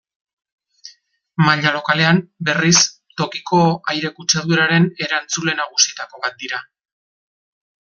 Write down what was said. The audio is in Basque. Maila lokalean, berriz, tokiko aire kutsaduraren erantzule nagusietako bat dira.